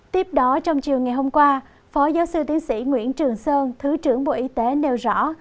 tiếp đó trong chiều ngày hôm qua phó giáo sư tiến sĩ nguyễn trường sơn thứ trưởng bộ y tế nêu rõ